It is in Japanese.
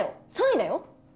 ３位だよ？